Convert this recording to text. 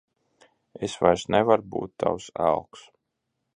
Es vairs nevaru būt tavs elks.